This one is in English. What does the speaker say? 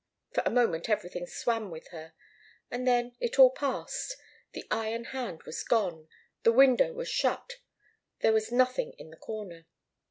For a moment everything swam with her, and then it all passed. The iron hand was gone the window was shut there was nothing in the corner.